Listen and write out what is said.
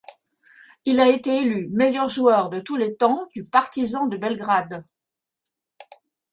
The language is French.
Il a été élu meilleur joueur de tous les temps du Partizan de Belgrade.